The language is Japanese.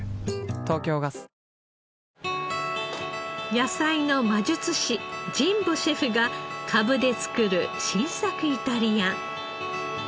野菜の魔術師神保シェフがかぶで作る新作イタリアン。